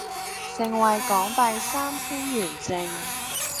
盛惠港幣三千圓正